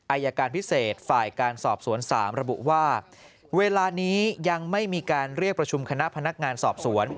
อายการพิเศษฝ่ายการสอบสวน๓ระบุว่าเวลานี้ยังไม่มีการเรียกประชุมคณะพนักงานสอบสวน